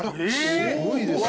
すごいですね。